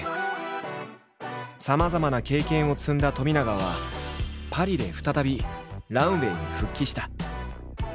さまざまな経験を積んだ冨永はパリで再びランウエイに復帰した。